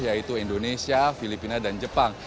yaitu indonesia filipina dan jepang